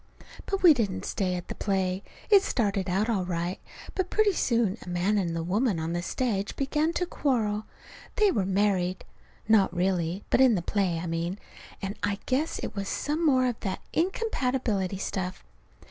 But we didn't stay at the play. It started out all right, but pretty soon a man and a woman on the stage began to quarrel. They were married (not really, but in the play, I mean), and I guess it was some more of that incompatibility stuff.